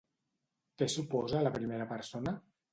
Què suposa la primera persona?